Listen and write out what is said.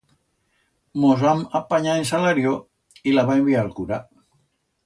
Mos vam apanyar en salario y la va enviar a'l cura.